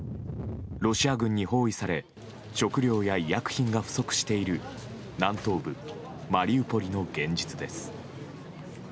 ロシア軍に包囲され食料や医薬品が不足している南東部マリウポリの現実です。